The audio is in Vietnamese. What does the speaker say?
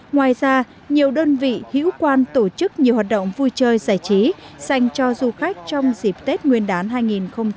ngoài ra nhiều đơn vị hữu quan tổ chức nhiều hoạt động vui chơi giải trí dành cho du khách trong dịp tết nguyên đán hai nghìn hai mươi